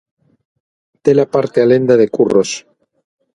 Dela parte a lenda de Curros.